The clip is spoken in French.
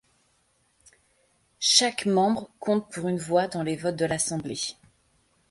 Chaque membre compte pour une voix dans les votes de l'assemblée.